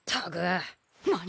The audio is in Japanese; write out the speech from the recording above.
何！？